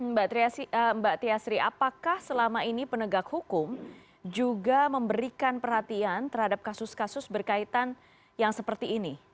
mbak tiasri apakah selama ini penegak hukum juga memberikan perhatian terhadap kasus kasus berkaitan yang seperti ini